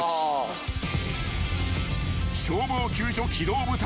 ［消防救助機動部隊］